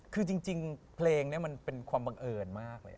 คือจริงเพลงนี้มันเป็นความบังเอิญมากเลย